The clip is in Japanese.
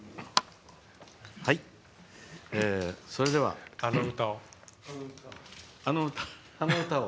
それでは、あの歌を。